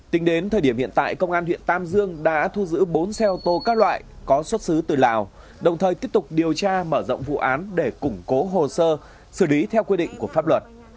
tính đến thời điểm hiện tại công an huyện tam dương đã thu giữ bốn xe ô tô các loại có xuất xứ từ lào đồng thời tiếp tục điều tra mở rộng vụ án để củng cố hồ sơ xử lý theo quy định của pháp luật